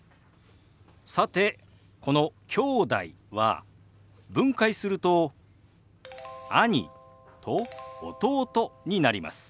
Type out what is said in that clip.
さてこの「きょうだい」は分解すると「兄」と「弟」になります。